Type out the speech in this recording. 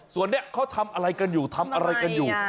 ส่วนนี้เขาทำอะไรกันอยู่ทำอะไรกันอยู่